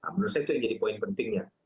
menurut saya itu yang jadi poin pentingnya